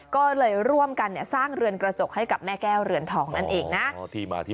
ก็เลยร่วมกันสร้างเรือนกระจกให้กับแม่แก้วเรือนทองนั่นเองนะ